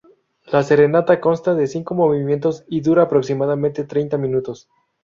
La serenata consta de cinco movimientos y dura aproximadamente treinta minutos.